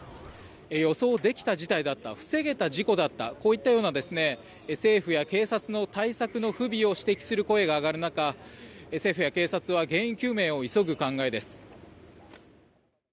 予想できた事態だった防げた事故だったこういったような政府や警察の対策の不備を指摘する声が上がる中政府や警察は原因究明を急ぐ考えです。